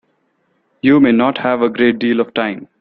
You may not have a great deal of time.